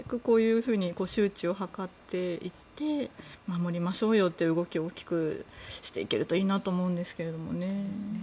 こういうふうに周知を図っていって守りましょうよという動きを大きくしていけるといいなと思うんですけどね。